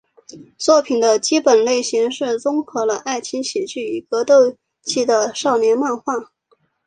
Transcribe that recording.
作品的基本类型是综合了爱情喜剧与格斗技的少年漫画。